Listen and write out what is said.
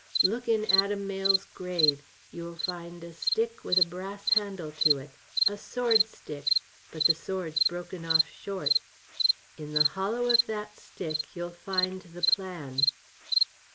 Look in Adam Mayle's grave. You will find a stick with a brass handle to it a sword stick, but the sword's broken off short. In the hollow of that stick you'll find the plan."